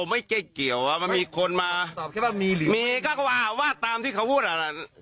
ไม่ใช่เกี่ยวอ่ะมันมีคนมาตอบแค่ว่ามีหรือมีก็ว่าตามที่เขาพูดอ่ะแหละ